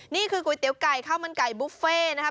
นี่คือก๋วยเตี๋ยวไก่ข้าวมันไก่บุฟเฟ่นะครับ